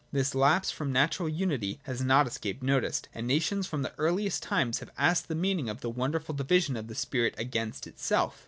This lapse from natural unity has not escaped notice, and nations from the eariiest times have asked the meaning of the wonderful division of the spirit against itself.